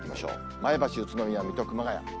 前橋、宇都宮、水戸、熊谷。